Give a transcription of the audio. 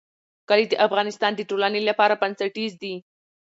کلي د افغانستان د ټولنې لپاره بنسټیز دي.